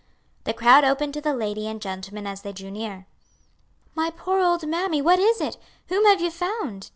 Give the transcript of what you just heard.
The crowd opened to the lady and gentleman as they drew near. "My poor old mammy, what is it? whom have you found?"